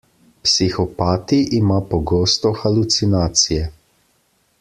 Psihopati ima pogosto halucinacije.